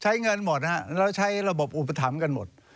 ใช้เงินหมดแล้วใช้ระบบอุปถัมภ์กันหมด